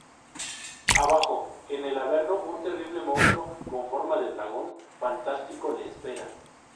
Abajo en el Averno un terrible monstruo con forma de dragón fantástico les espera.